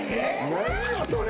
何やそれ！